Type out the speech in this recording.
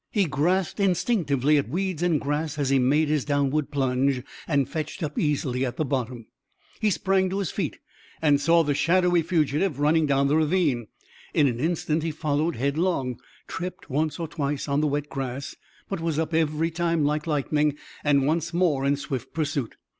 He grasped instinctively at weeds and grass as he made his downward plunge and fetched up easily at the bottom. He sprang to his feet and saw the shadowy fugitive running down the ravine. In an instant he followed headlong, tripped once or twice on the wet grass, but was up every time like lightning, and once more in swift pursuit.